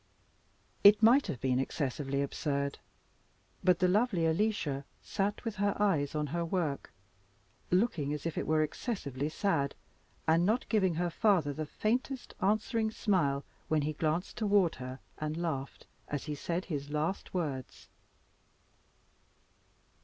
It might have been excessively absurd, but the lovely Alicia sat with her eyes on her work, looking as if it were excessively sad, and not giving her father the faintest answering smile when he glanced toward her and laughed, as he said his last words.